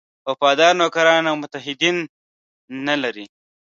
وفادار نوکران او متحدین نه لري.